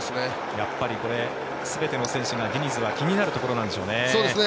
やっぱり全ての選手がディニズが気になるところなんでしょうね。